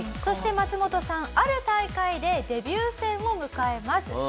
そしてマツモトさんある大会でデビュー戦を迎えます。